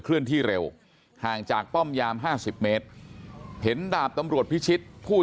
เลื่อนที่เร็วห่างจากป้อมยาม๕๐เมตรเห็นดาบตำรวจพิชิตผู้